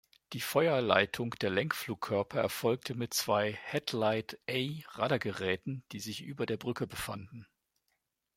Die Feuerleitung der Lenkflugkörper erfolgte mit zwei "Headlight-A"-Radargeräten, die sich über der Brücke befanden.